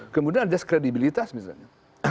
kemudian ajas kredibilitas misalnya